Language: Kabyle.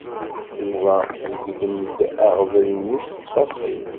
Yuba iglem-d aɣbel-nni s ttfaṣil.